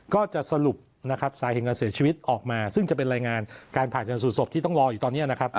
ก็จะสรุปสายเห็นการเสียชีวิตออกมาซึ่งจะเป็นรายงานการผ่านธนสูตรสบที่ต้องรออยู่ตอนนี้